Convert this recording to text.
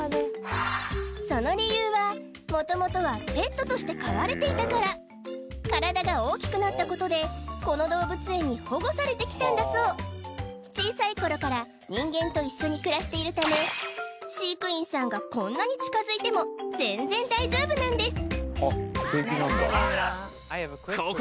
その理由は元々はペットとして飼われていたから体が大きくなったことでこの動物園に保護されてきたんだそう小さい頃から人間と一緒に暮らしているため飼育員さんがこんなに近づいても全然大丈夫なんです